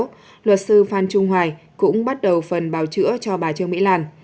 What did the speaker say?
sau đó luật sư phan trung hoài cũng bắt đầu phần bào chữa cho bà trương mỹ lan